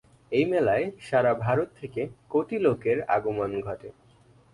এই মেলায় সারা ভারত থেকে কোটি লোকের আগমন ঘটে।